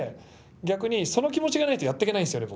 逆にその気持ちがないとやってけないんですよね